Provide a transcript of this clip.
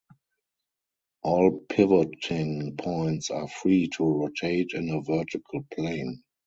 All pivoting points are free to rotate in a vertical plane.